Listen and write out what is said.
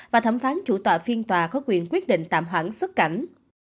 và thẩm phán chủ tọa phiên tòa có quyền quyết định tạm hoãn xuất cảnh